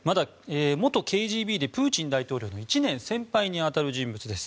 元ＫＧＢでプーチン大統領の１年先輩に当たる人物です。